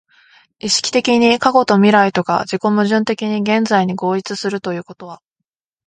意識的に過去と未来とが自己矛盾的に現在に合一するということは、